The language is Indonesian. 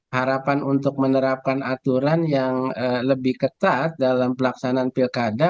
harapan untuk menerapkan aturan yang lebih ketat dalam pelaksanaan pilkada